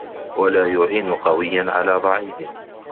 وَلَا يُعِينَ قَوِيًّا عَلَى ضَعِيفٍ